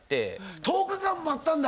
１０日間待ったんだ！